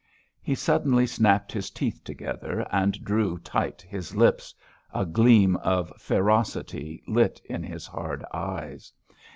He suddenly snapped his teeth together and drew tight his lips; a gleam of ferocity lit in his hard eyes.